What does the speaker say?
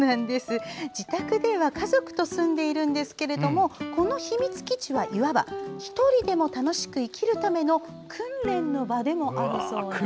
自宅では家族と住んでいるんですがこの秘密基地はいわば、１人でも楽しく生きるための訓練の場でもあるそうなんです。